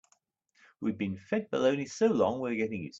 We've been fed baloney so long we're getting used to it.